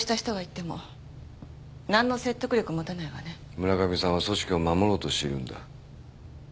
村上さんは組織を守ろうとしているんだ。